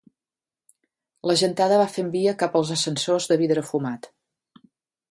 La gentada va fent via cap als ascensors de vidre fumat.